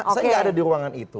saya nggak ada di ruangan itu